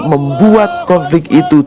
membuat konflik itu